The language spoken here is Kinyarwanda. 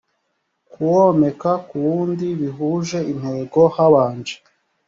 kuwomeka ku wundi bihuje intego habanje